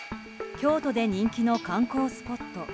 京都で人気の観光スポット